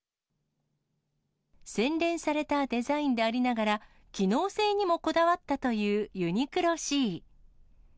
洗練されたデザインでありながら、機能性にもこだわったという、ＵＮＩＱＬＯ：Ｃ。